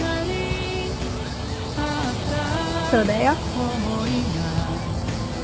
そうだよ。